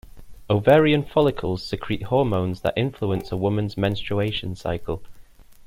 Ovarian follicles secrete hormones that influence a woman's menstruation cycle.